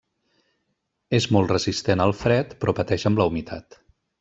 És molt resistent al fred però pateix amb la humitat.